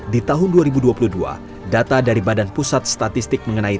di tahun dua ribu dua puluh dua data dari badan pusat statistik mengenai